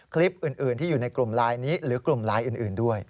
คลิปอื่นที่อยู่ในกลุ่มไลน์นี้หรือกลุ่มไลน์อื่นด้วย